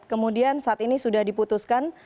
kemudian saat ini sudah diputuskan